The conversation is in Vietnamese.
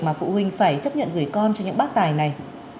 mà phụ huynh phải chấp nhận gửi con cho những bác tài này